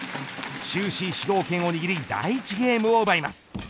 終始主導権を握り第１ゲームを奪います。